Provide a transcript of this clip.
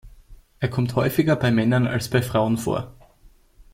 Er kommt häufiger bei Männern als bei Frauen vor.